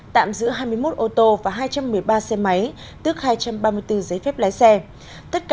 tạm giữ hai mươi một ô tô và hai trăm một mươi ba xe máy tức hai trăm ba mươi bốn giấy phép lái xe